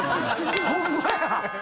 ホンマや。